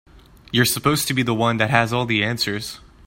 You're supposed to be the one that has all the answers.